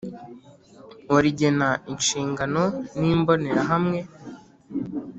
wa rigena inshingano n imbonerahamwe